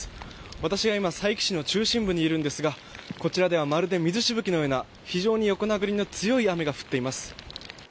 私は今、佐伯市の中心部にいますがこちらではまるで水しぶきのような非常に横殴りの強い雨が降っています。